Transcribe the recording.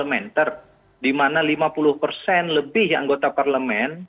oke baik nah kalau saya bicarakan teman teman